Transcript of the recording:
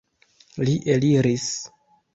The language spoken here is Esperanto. Li eliris.